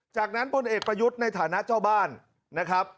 จากนั้นพลเอกประยุทธ์ในฐานะเจ้าบ้านนะครับ